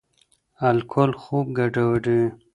الکول خوب ګډوډوي.